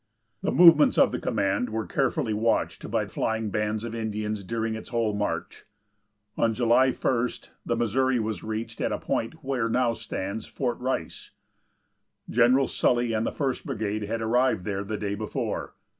The movements of the command were carefully watched by flying bands of Indians during its whole march. On July 1st the Missouri was reached at a point where now stands Fort Rice. General Sully and the First Brigade had arrived there the day before.